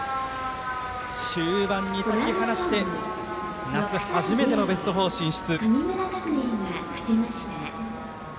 終盤に突き放して夏、初めてのベスト４進出。